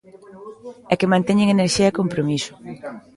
E que manteñen enerxía e compromiso.